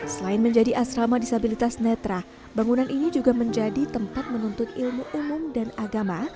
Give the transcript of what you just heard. selain menjadi asrama disabilitas netra bangunan ini juga menjadi tempat menuntut ilmu umum dan agama